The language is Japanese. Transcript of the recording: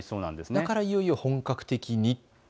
だから、いよいよ本格的に。